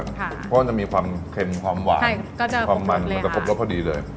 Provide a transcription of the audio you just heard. เพราะว่าจะมีความเค็มความหวานความมันมันจะครบรสพอดีเลย